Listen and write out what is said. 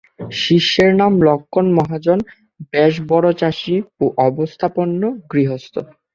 শিষ্যের নাম লক্ষ্মণ মহাজন, বেশ বড় চাষী ও অবস্থাপন্ন গৃহস্থ।